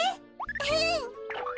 うん。